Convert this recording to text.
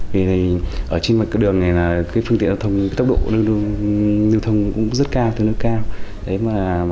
vì ở trên mặt đường này phương tiện giao thông tốc độ lưu thông cũng rất cao tương đối cao